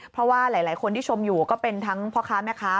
เพราะว่าหลายคนที่ชมอยู่ก็เป็นทั้งพ่อค้าแม่ค้า